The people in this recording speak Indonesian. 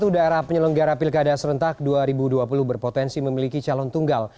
satu daerah penyelenggara pilkada serentak dua ribu dua puluh berpotensi memiliki calon tunggal